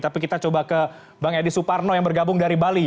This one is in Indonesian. tapi kita coba ke bang edi suparno yang bergabung dari bali